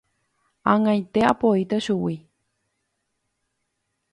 Ag̃aite apoíta chugui.